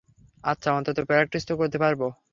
আচ্ছা, অন্তত প্র্যাকটিস তো করতে পারব।